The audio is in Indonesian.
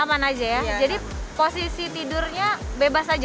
aman aja ya jadi posisi tidurnya bebas aja